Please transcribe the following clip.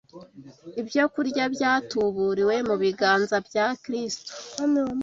Ibyokurya byatuburiwe mu biganza bya Kristo,